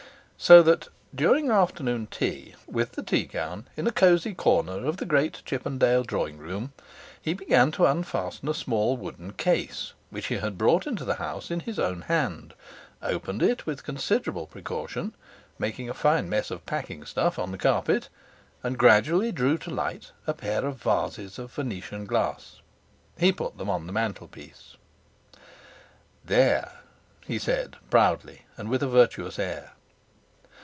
So that during afternoon tea with the teagown in a cosy corner of the great Chippendale drawing room he began to unfasten a small wooden case which he had brought into the house in his own hand, opened it with considerable precaution, making a fine mess of packing stuff on the carpet, and gradually drew to light a pair of vases of Venetian glass. He put them on the mantlepiece. 'There!' he said, proudly, and with a virtuous air.